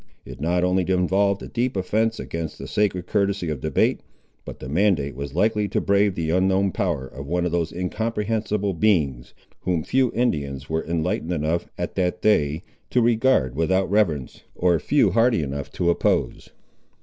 It not only involved a deep offence against the sacred courtesy of debate, but the mandate was likely to brave the unknown power of one of those incomprehensible beings, whom few Indians were enlightened enough, at that day, to regard without reverence, or few hardy enough to oppose.